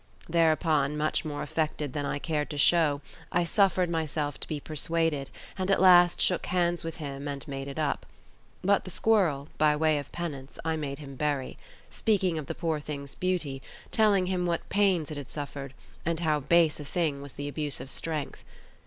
Thereupon, much more affected than I cared to show, I suffered myself to be persuaded, and at last shook hands with him and made it up. But the squirrel, by way of penance, I made him bury; speaking of the poor thing's beauty, telling him what pains it had suffered, and how base a thing was the abuse of strength.